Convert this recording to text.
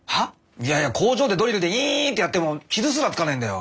いやいや工場でドリルでイーッてやっても傷すらつかないんだよ。